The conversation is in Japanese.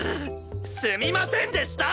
すみませんでした！